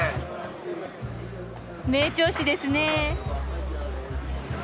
名調子ですね。